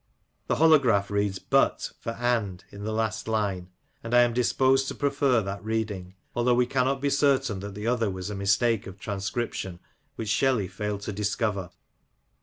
The holograph reads but for and in the last line ; and I am disposed to prefer that reading, although we cannot be certain that the other was a mistake of transcription which Shelley failed to discover.